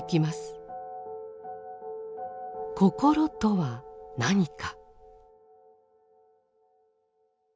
心とは何か？